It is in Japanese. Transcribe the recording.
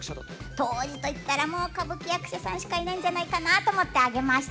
当時といったらもう歌舞伎役者さんしかいないんじゃないかなと思って上げました。